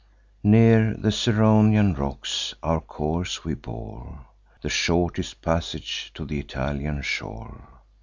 "Near the Ceraunian rocks our course we bore; The shortest passage to th' Italian shore.